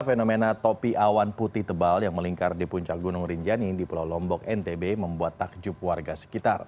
fenomena topi awan putih tebal yang melingkar di puncak gunung rinjani di pulau lombok ntb membuat takjub warga sekitar